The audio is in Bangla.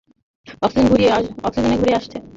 অক্সিজেন ফুরিয়ে আসছে!